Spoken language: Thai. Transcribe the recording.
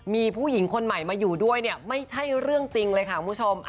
มีผู้หญิงคนใหม่มาอยู่ด้วยเนี่ยไม่ใช่เรื่องจริงเลยค่ะคุณผู้ชม